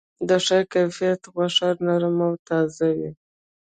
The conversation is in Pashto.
د ښه کیفیت غوښه نرم او تازه وي.